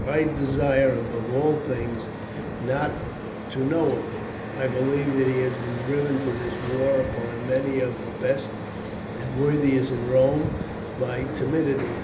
I desire, above all things, not to know of him. I believe that he has been driven to this war upon many of the best and worthiest in Rome, by timidity.